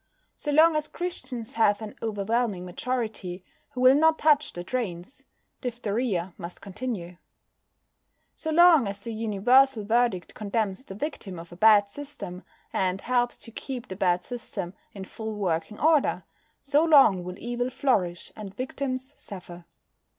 So long as Christians have an overwhelming majority who will not touch the drains, diphtheria must continue. So long as the universal verdict condemns the victim of a bad system, and helps to keep the bad system in full working order, so long will evil flourish and victims suffer.